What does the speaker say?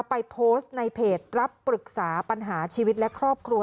ไปโพสต์ในเพจรับปรึกษาปัญหาชีวิตและครอบครัว